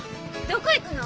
どこ行くの？